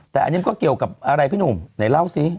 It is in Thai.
แต่อันนี้มันก็เกี่ยวกับอะไรพี่หนุ่มไหนเล่าสิ